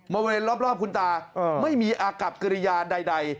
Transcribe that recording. บริเวณรอบคุณตาไม่มีอากับกิริยาใด